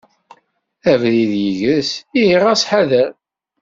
Abrid yegres, ihi ɣas ḥader..